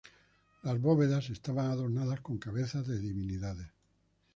Las bóvedas estaban adornadas con cabezas de divinidades.